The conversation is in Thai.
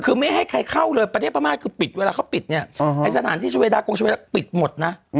คือไม่ให้ใครเข้าเลยประเทศพม่าคือปิดเวลาเขาปิดเนี่ยไอ้สถานที่ชาเวดากงชเวดาปิดหมดนะ